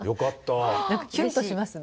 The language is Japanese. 何かキュンとしますね。